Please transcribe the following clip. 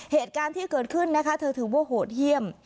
เหตุการณ์ที่เกิดขึ้นนะคะเธอถือว่าโหดเยี่ยม